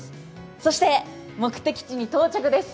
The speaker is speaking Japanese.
そして目的地に到着です。